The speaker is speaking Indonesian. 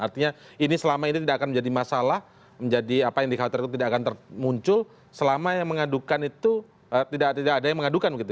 artinya ini selama ini tidak akan menjadi masalah menjadi apa yang dikhawatirkan tidak akan muncul selama yang mengadukan itu tidak ada yang mengadukan begitu